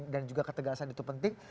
dan juga ketegasan itu penting